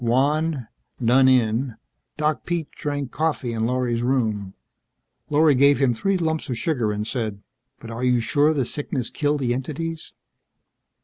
Wan, done in, Doc Pete drank coffee in Lorry's room. Lorry gave him three lumps of sugar and said, "But are you sure the sickness killed the entities?"